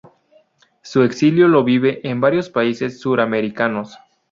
Su exilio lo vive en varios países suramericanos.